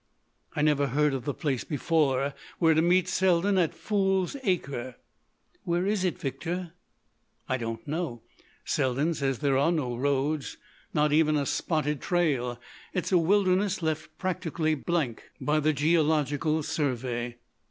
"I never heard of the place before. We're to meet Selden at 'Fool's Acre.'" "Where is it, Victor?" "I don't know. Selden says there are no roads,—not even a spotted trail. It's a wilderness left practically blank by the Geological Survey.